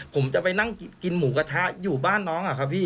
ผมจะไปนั่งกินหมูกระทะอยู่บ้านน้องอะครับพี่